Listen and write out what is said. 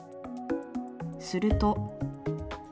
すると。